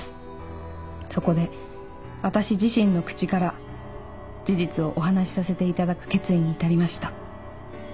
「そこで私自身の口から事実をお話しさせていただく決意に至りました」